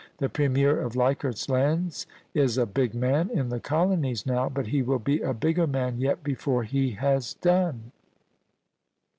The Premier of Leichardfs Lands b a big man in the colonies now, but he will be a bigger man yet before he has done.'